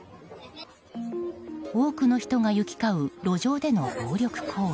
多くの人が行き交う路上での暴力行為。